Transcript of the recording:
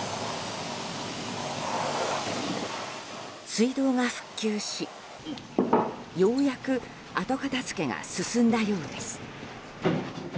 水道が復旧し、ようやく後片付けが進んだようです。